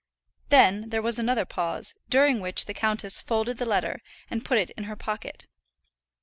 Then there was another pause, during which the countess folded the letter, and put it in her pocket.